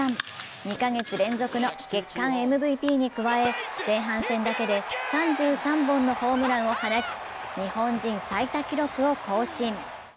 ２カ月連続の月間ＭＶＰに加え前半戦だけで３３本のホームランを放ち、日本人最多記録を更新。